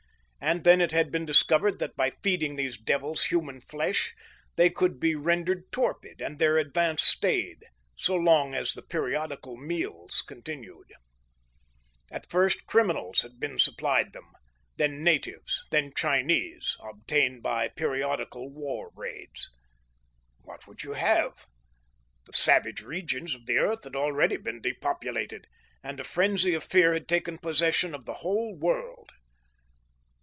And then it had been discovered that, by feeding these devils human flesh, they could be rendered torpid and their advance stayed so long as the periodical meals continued! At first criminals had been supplied them, then natives, then Chinese, obtained by periodical war raids. What would you have? The savage regions of the earth had already been depopulated, and a frenzy of fear had taken possession of the whole world.